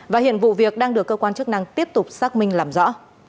và hiện vụ việc đang được cơ quan chức năng tiếp tục xác minh làm rõ